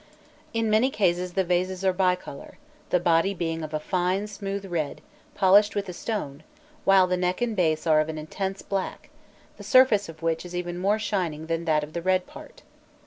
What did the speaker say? In many cases the vases are bicolour, the body being of a fine smooth red, polished with a stone, while the neck and base are of an intense black, the surface of which is even more shining than that of the red part.